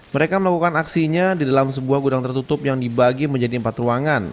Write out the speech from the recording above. mereka melakukan aksinya di dalam sebuah gudang tertutup yang dibagi menjadi empat ruangan